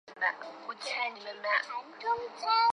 不幸发生空难。